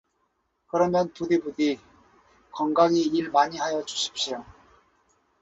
그러면 부디부디 건강히 일 많이 하여 주십시오.